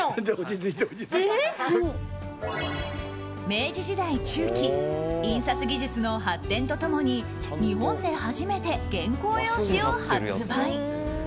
明治時代中期印刷技術の発展と共に日本で初めて原稿用紙を発売。